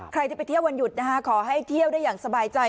ใครที่ไปเที่ยววันหยุดนะคะขอให้เที่ยวได้อย่างสบายใจ